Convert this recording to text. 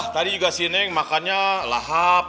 tadi si neng makannya lahap